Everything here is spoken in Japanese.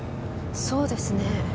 そうですね。